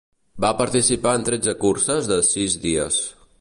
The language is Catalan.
Va participar en tretze curses de sis dies.